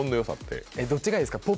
どっちがいいですか？